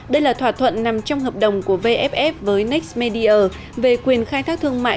đây là thỏa thuận nằm trong hợp đồng của vff với nextmedia về quyền khai thác thương mại